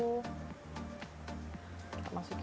tempenya kita goreng terlebih dahulu